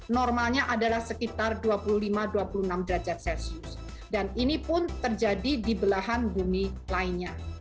normalnya adalah sekitar dua puluh lima dua puluh enam derajat celcius dan ini pun terjadi di belahan bumi lainnya